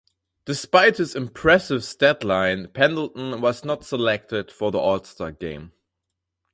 Despite his impressive statline, Pendleton was not selected for the All-Star Game.